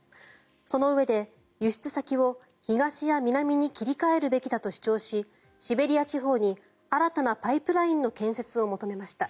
そのうえで、輸出先を東や南に切り替えるべきだと主張しシベリア地方に新たなパイプラインの建設を求めました。